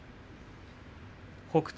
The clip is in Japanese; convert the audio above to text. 北勝